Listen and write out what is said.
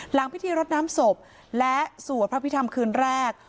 พิธีรดน้ำศพและสวดพระพิธรรมคืนแรก